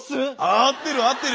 合ってる合ってる！